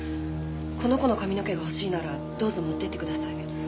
この子の髪の毛が欲しいならどうぞ持ってってください。